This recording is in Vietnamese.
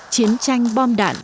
chiến tranh bom đạn